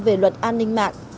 về luật an ninh mạng